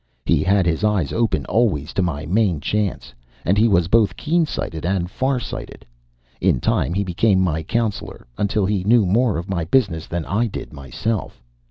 He had his eyes open always to my main chance, and he was both keen sighted and far sighted. In time he became my counselor, until he knew more of my business than I did myself.